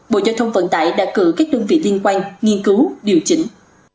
bộ giao thông vận tải đã cử các đơn vị liên quan nghiên cứu điều chỉnh